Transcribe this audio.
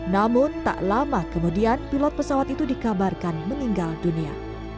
namun tak lama kemudian pilot pesawat itu dikabarkan meninggal dunia